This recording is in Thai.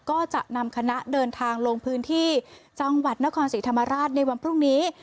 ก็จะนำคณะเดินทางลงพื้นที่จังหวัดนครศรีธรรมราชในวันพรุ่งนี้